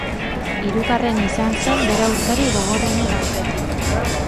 Hirugarren izan zen bere aurkari gogorrenen aurretik.